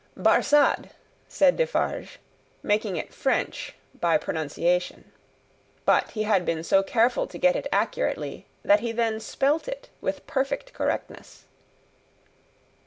"Barsad," said Defarge, making it French by pronunciation. But, he had been so careful to get it accurately, that he then spelt it with perfect correctness.